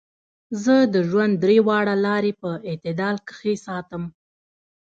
زۀ د ژوند درې واړه لارې پۀ اعتدال کښې ساتم -